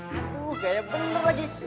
aduh gaya bener lagi